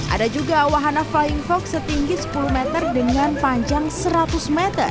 ada juga wahana flying fox setinggi sepuluh meter dengan panjang seratus meter